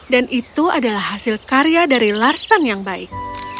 dan itu adalah hasil karya dari larsen yang baik